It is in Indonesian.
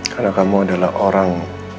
karena kamu adalah orang